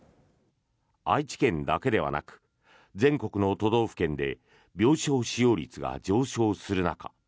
愛知県だけではなく全国の都道府県で病床使用率が上昇する中